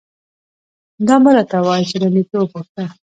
_دا مه راته وايه چې له نيکه وپوښته.